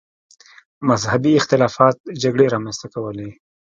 مذهبي اختلافات جګړې رامنځته کولې.